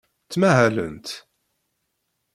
Ttmahalent.